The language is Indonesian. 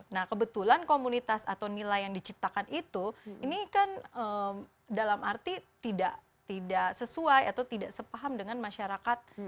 nah kebetulan komunitas atau nilai yang diciptakan itu ini kan dalam arti tidak sesuai atau tidak sepaham dengan masyarakat